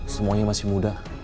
semuanya masih muda